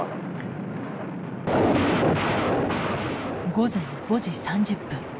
午前５時３０分。